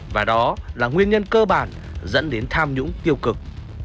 và đó là nguyên nhân cơ bản dẫn đến tham nhũng tiêu cực